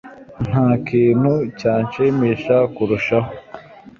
Nta kintu cyanshimisha kurushaho